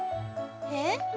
えっ？